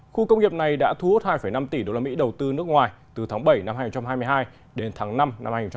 khu công nghiệp này đã thu hút hai năm tỷ usd đầu tư nước ngoài từ tháng bảy năm hai nghìn hai mươi hai đến tháng năm năm hai nghìn hai mươi ba